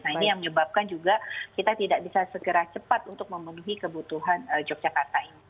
nah ini yang menyebabkan juga kita tidak bisa segera cepat untuk memenuhi kebutuhan yogyakarta ini